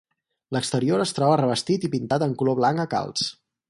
L'exterior es troba revestit i pintat en color blanc a calç.